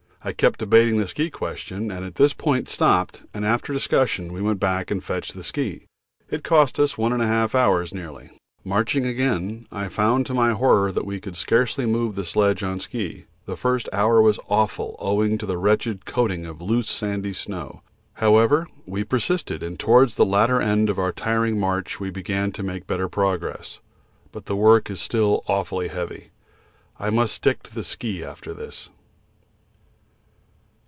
I kept debating the ski question and at this point stopped, and after discussion we went back and fetched the ski; it cost us 1 1/2 hours nearly. Marching again, I found to my horror we could scarcely move the sledge on ski; the first hour was awful owing to the wretched coating of loose sandy snow. However, we persisted, and towards the latter end of our tiring march we began to make better progress, but the work is still awfully heavy. I must stick to the ski after this.